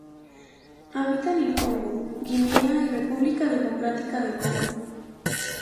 Habita en el Congo, Guinea y República Democrática del Congo.